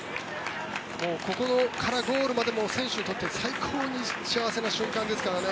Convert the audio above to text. ここからゴールまでは選手にとって最高に幸せな瞬間ですからね。